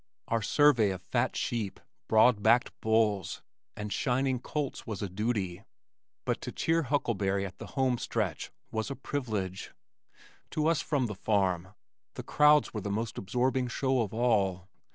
Our survey of fat sheep, broad backed bulls and shining colts was a duty, but to cheer Huckleberry at the home stretch was a privilege. To us from the farm the crowds were the most absorbing show of all.